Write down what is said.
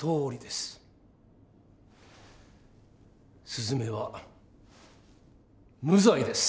すずめは無罪です！